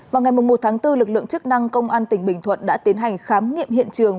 vào ngày một tháng bốn lực lượng chức năng công an tỉnh bình thuận đã tiến hành khám nghiệm hiện trường